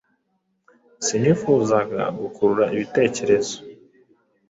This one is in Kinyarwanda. Sinifuzaga gukurura ibitekerezo.